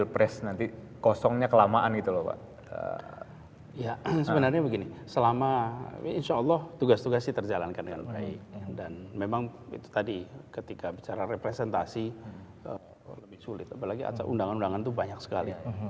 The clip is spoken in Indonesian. perundangan itu banyak sekali